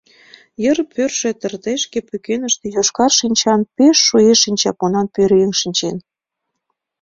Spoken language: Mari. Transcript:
Йыр пӧрдшӧ тыртешке пӱкеныште йошкар шинчан, пеш шуэ шинчапунан пӧръеҥ шинчен.